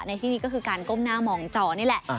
ที่นี่ก็คือการก้มหน้ามองจอนี่แหละ